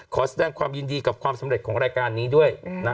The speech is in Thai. ขอแสดงความยินดีกับความสำเร็จของรายการนี้ด้วยนะ